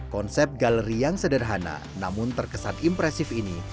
konsep galeri yang sederhana namun terkesan impresif ini